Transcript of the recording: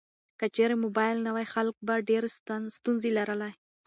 که چیرې موبایل نه وای، خلک به ډیر ستونزې لرلې.